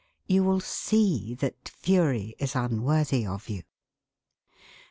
You will see that fury is unworthy of you.